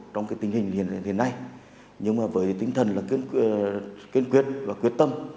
trong tình hình hiện nay nhưng mà với tính thần kiên quyết và quyết tâm